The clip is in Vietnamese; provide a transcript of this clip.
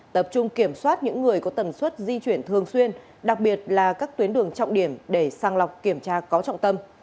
tập trung kiểm soát những người có tần suất di chuyển thường xuyên đặc biệt là các tuyến đường trọng điểm để sang lọc kiểm tra có trọng tâm